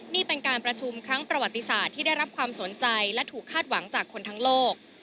นี่เป็นการประชุมครั้งประวัติศาสตร์ที่ได้รับความสนใจและถูกคาดหวังจากคนทั้งโลก